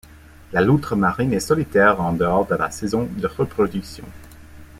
La loutre marine est solitaire en dehors de la saison de reproduction.